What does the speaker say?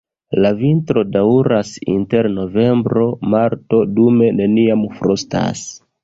La vintro daŭras inter novembro-marto, dume neniam frostas.